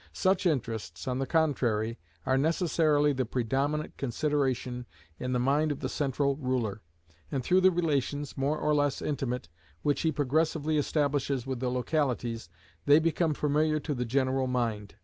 Such interests, on the contrary, are necessarily the predominant consideration in the mind of the central ruler; and through the relations, more or less intimate, which he progressively establishes with the localities, they become familiar to the general mind.